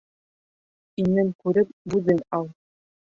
Иңен күреп бүҙен ал.